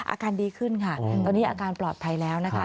อาการดีขึ้นค่ะตอนนี้อาการปลอดภัยแล้วนะคะ